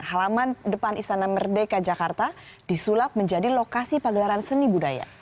halaman depan istana merdeka jakarta disulap menjadi lokasi pagelaran seni budaya